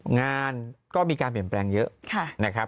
งานก็มีการเปลี่ยนแปลงเยอะนะครับ